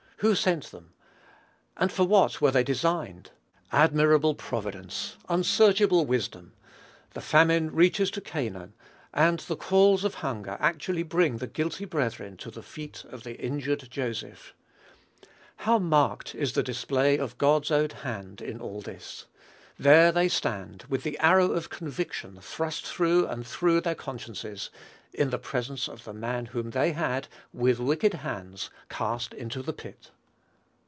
Who sent them? And for what were they designed? Admirable providence! Unsearchable wisdom! The famine reaches to Canaan, and the calls of hunger actually bring the guilty brethren to the feet of the injured Joseph! How marked is the display of God's own hand in all this! There they stand, with the arrow of conviction thrust through and through their consciences, in the presence of the man whom they had, "with wicked hands," cast into the pit.